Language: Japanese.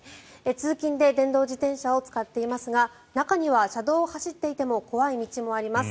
通勤で電動自転車を使っていますが中には、車道を走っていても怖い道もあります